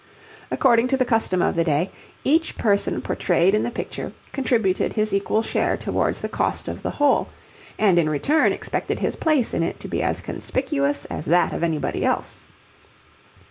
According to the custom of the day, each person portrayed in the picture contributed his equal share towards the cost of the whole, and in return expected his place in it to be as conspicuous as that of anybody else.